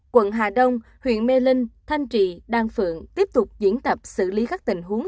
quận hà đông huyện mê linh thanh trị đan phượng tiếp tục diễn tập xử lý các tình huống